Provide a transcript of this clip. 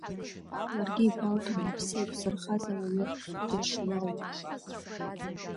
Ларгьы игәалҭон лыԥсы еиқәзырхаз ауаҩы дшуалуашоз.